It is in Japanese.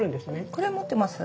これ持ってます。